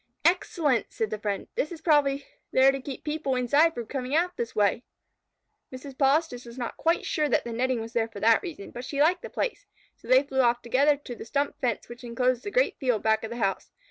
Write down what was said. "Excellent!" said the friend. "That is probably there to keep the people inside from coming out this way." Mrs. Polistes was not quite sure that the netting was there for that reason, but she liked the place, so they flew off together to the stump fence which enclosed the great field back of the house.